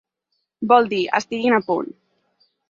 Vol dir «estiguin a punt».